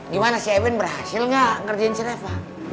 gimana sih eben berhasil gak ngerjain si reva